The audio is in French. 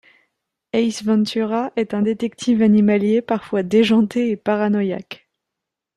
Ace Ventura est un détective animalier parfois déjanté et paranoïaque.